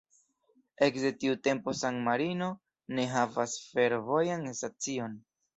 Ekde tiu tempo San-Marino ne havas fervojan stacion.